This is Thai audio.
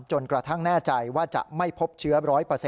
จนกระทั่งแน่ใจว่าจะไม่พบเชื้อ๑๐๐